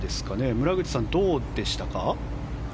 村口さん、どうでしたか？